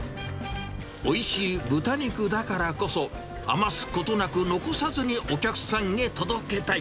おいしい豚肉だからこそ、余すことなく残さずにお客さんへ届けたい。